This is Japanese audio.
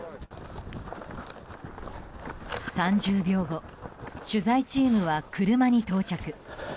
３０秒後取材チームは車に到着。